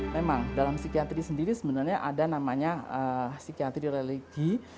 memang dalam psikiatri sendiri sebenarnya ada namanya psikiatri religi